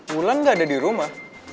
pulang gak ada di rumah